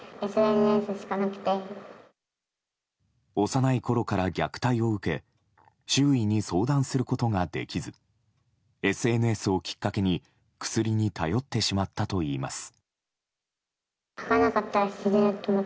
幼いころから虐待を受け周囲に相談することができずＳＮＳをきっかけに薬に頼ってしまったといいます。